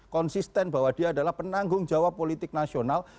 konsisten bahwa dia adalah penanggung jawab politik nasional